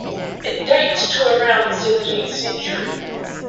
It dates to around the seventeenth century.